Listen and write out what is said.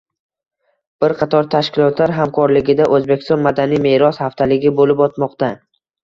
Bir qator tashkilotlar hamkorligida O‘zbekistonda Madaniy meros haftaligi bo‘lib o‘tmoqda.